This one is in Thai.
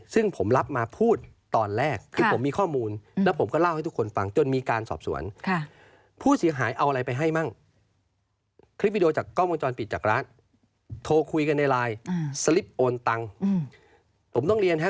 จากรัฐโทรคุยกันในไลน์อืมสลิบโอนตังค์อืมผมต้องเรียนฮะ